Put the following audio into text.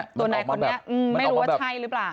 ตัวนายคนนี้ไม่รู้ว่าใช่หรือเปล่า